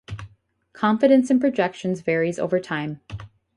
Confidence in projections varies over time.